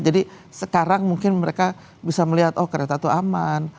jadi sekarang mungkin mereka bisa melihat oh kereta itu aman